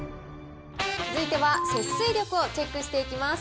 続いては節水力をチェックしていきます。